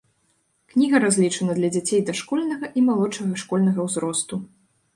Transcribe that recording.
Кніга разлічана для дзяцей дашкольнага і малодшага школьнага ўзросту.